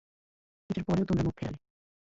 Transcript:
এটার পরেও তোমরা মুখ ফিরালে।